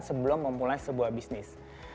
sebelum memulai sebuah bisnis